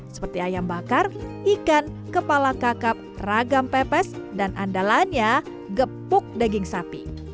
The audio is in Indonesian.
seperti ayam bakar ikan kepala kakap ragam pepes dan andalanya gepuk daging sapi